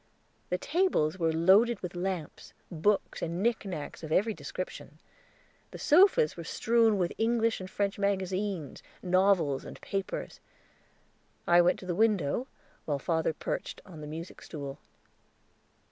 The tables were loaded with lamps, books, and knick knacks of every description; the sofas were strewn with English and French magazines, novels, and papers. I went to the window, while father perched on the music stool.